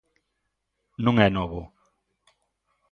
Non é novo.